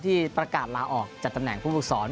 ที่ประกาศลาออกจากตำแหน่งผู้ฝึกศร